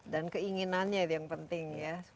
dan keinginannya itu yang penting ya